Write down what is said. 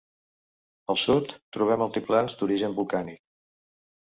Al sud trobem altiplans d'origen volcànic.